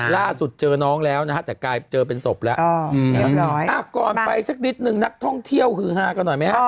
อ๋อล่าสุดเจอแล้วแต่น้องเสียชีวิตไปแล้ว